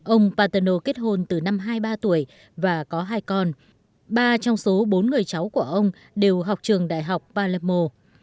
ông paterno kết hôn từ năm hai mươi ba tuổi và có hai con ba trong số bốn người cháu của ông đều học trường đại học palermo